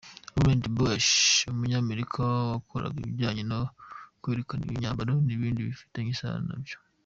Lauren Bush, Umunyamerika wakoraga ibijyanye no kwerekana imyambaro n’ibindi bifitanye isano nabyo.